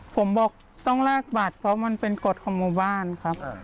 ผมบอกต้องแลกบัตรเพราะมันเป็นกฎของหมู่บ้านครับ